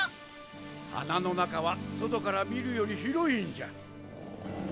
鼻の中は外から見るより広いんじゃ。